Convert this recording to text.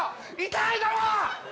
痛いだろ！